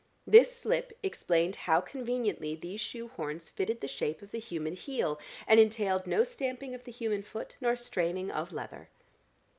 This slip explained how conveniently these shoe horns fitted the shape of the human heel, and entailed no stamping of the human foot nor straining of leather....